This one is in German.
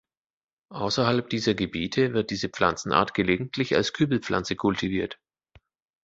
Außerhalb dieser Gebiete wird diese Pflanzenart gelegentlich als Kübelpflanze kultiviert.